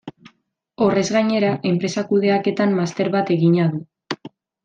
Horrez gainera, enpresa kudeaketan master bat egina du.